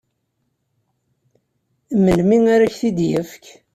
Melmi ara ak-t-id-yefk?